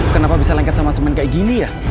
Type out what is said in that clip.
kenapa bisa lengket sama semen kayak gini ya